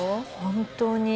本当に。